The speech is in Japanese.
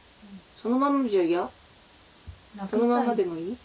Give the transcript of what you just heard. そのまんまでもいい？